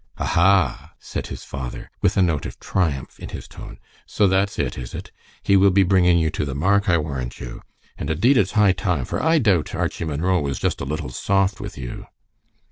"Aha!" said his father, with a note of triumph in his tone; "so that's it, is it? He will be bringing you to the mark, I warrant you. And indeed it's high time, for I doubt Archie Munro was just a little soft with you."